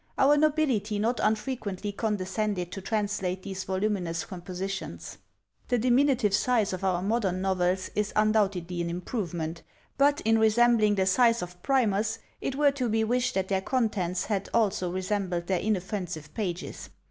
Our nobility not unfrequently condescended to translate these voluminous compositions. The diminutive size of our modern novels is undoubtedly an improvement: but, in resembling the size of primers, it were to be wished that their contents had also resembled their inoffensive pages.